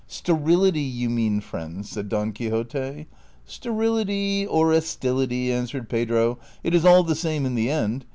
'' Sterility, you mean, friend," said Don Quixote. " Sterility or estility," answered Pedro, " it is all the same in the end.